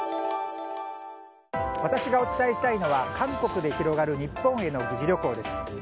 私がお伝えしたいのは韓国で広がる日本への疑似旅行です。